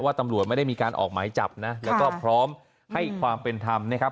ตำรวจไม่ได้มีการออกหมายจับนะแล้วก็พร้อมให้ความเป็นธรรมนะครับ